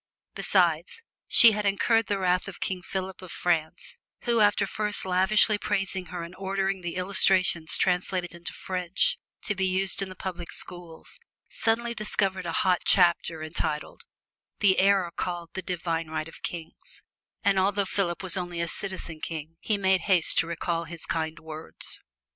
Besides, she had incurred the wrath of King Philippe of France, who after first lavishly praising her and ordering the "Illustrations" translated into French, to be used in the public schools, suddenly discovered a hot chapter entitled, "The Error Called the Divine Right of Kings," and although Philippe was only a "citizen king" he made haste to recall his kind words.